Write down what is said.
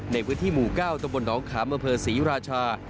ในพื้นที่หมู่๙ตะบนดองขามเบอร์ศรีราชา